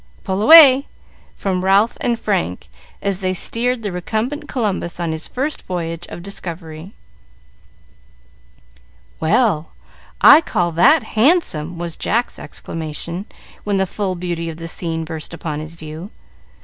Pull away!" from Ralph and Frank, as they steered the recumbent Columbus on his first voyage of discovery. "Well, I call that handsome!" was Jack's exclamation, when the full beauty of the scene burst upon his view.